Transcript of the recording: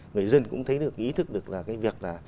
người dân cũng thấy được ý thức được là cái việc là